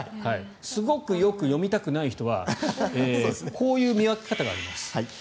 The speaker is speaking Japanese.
すごくよく読みたくない人はこういう見分け方があります。